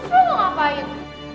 terus lu mau ngapain